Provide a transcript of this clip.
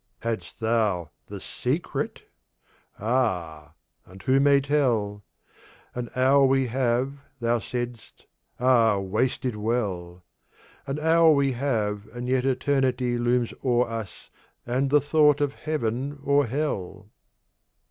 Hadst thou THE SECRET? Ah, and who may tell? 'An hour we have,' thou saidst. 'Ah, waste it well!' An hour we have, and yet Eternity Looms o'er us, and the thought of Heaven or Hell!